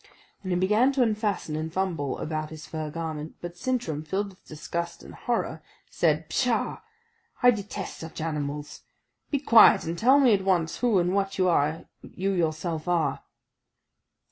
And then he began to unfasten and fumble about his fur garment; but Sintram, filled with disgust and horror, said, "Psha! I detest such animals! Be quiet, and tell me at once who and what you yourself are."